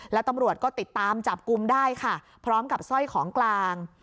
แล้วตำรวจก็ติดตามจับกลุ่มได้ค่ะพร้อมกับสร้อยของกลาง